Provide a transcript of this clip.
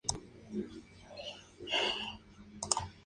Ferviente católico, dictó conferencias sobre "Ciencia y creencia".